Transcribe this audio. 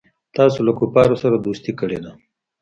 تاسو له کفارو سره دوستي کړې ده.